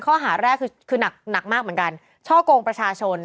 ข้อหาแรกคือหนักมากเหมือนกันช่อกงประชาชน